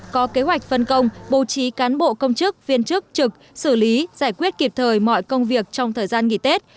có kế hoạch phân công bố trí cán bộ công chức viên chức trực xử lý giải quyết kịp thời mọi công việc trong thời gian nghỉ tết